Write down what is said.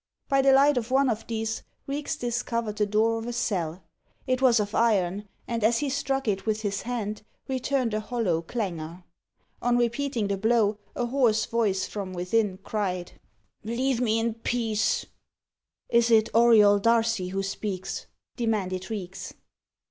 By the light of one of these, Reeks discovered the door of a cell. It was of iron, and as he struck it with his hand, returned a hollow clangour. On repeating the blow, a hoarse voice from within cried, "Leave me in peace!" "Is it Auriol Darcy who speaks?" demanded Reeks.